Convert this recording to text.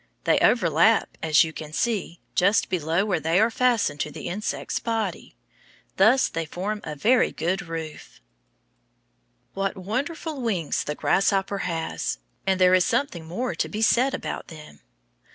They overlap, as you can see, just below where they are fastened to the insect's body. Thus they form a very good roof. What wonderful wings the grasshopper has! And there is something more to be said about them.